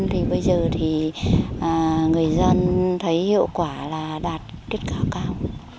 thì bây giờ thì người dân thấy hiệu quả là đạt tiết cao cao